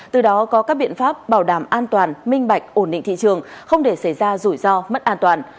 từ đó có các biện pháp bảo đảm an toàn minh bạch ổn định thị trường không để xảy ra rủi ro mất an toàn